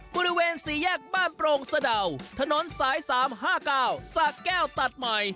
บริเวณสี่แยกบ้านโปรงสะดาวถนนสายสามห้ากาวสระแก้วตัดใหม่